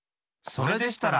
それでしたら！